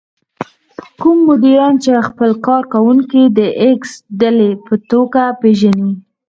کوم مديران چې خپل کار کوونکي د ايکس ډلې په توګه پېژني.